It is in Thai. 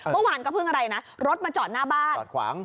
เมื่อวานก็เพิ่งอะไรนะรถมาจอดหน้าบ้านจอดขวาง